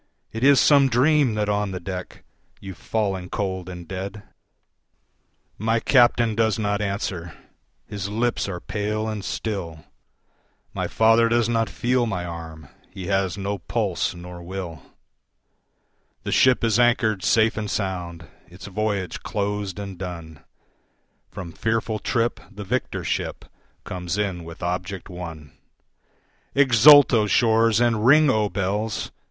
It is some dream that on the deck 15 You've fallen cold and dead. My Captain does not answer, his lips are pale and still, My father does not feel my arm, he has no pulse nor will; The ship is anchor'd safe and sound, its voyage closed and done, From fearful trip the victor ship comes in with object won; 20 Exult, O shores! and ring, O bells!